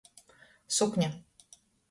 Sukne.